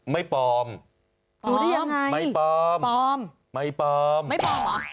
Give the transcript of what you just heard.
ไม่ปลอมดูได้ยังไงไม่ปลอมไม่ปลอมไม่ปลอมเหรอ